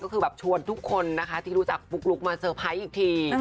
ก็คือแบบชวนทุกคนนะคะที่รู้จักปุ๊กลุ๊กมาเซอร์ไพรส์อีกที